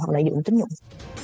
hoặc lợi dụng tính dụng